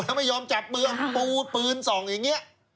แล้วไม่ยอมจับปืนส่องอย่างนี้